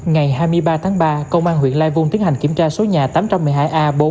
ngày hai mươi ba tháng ba công an huyện lai vung tiến hành kiểm tra số nhà tám trăm một mươi hai a bốn